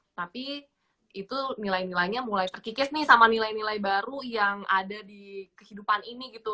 tapi itu nilai nilainya mulai terkikis nih sama nilai nilai baru yang ada di kehidupan ini gitu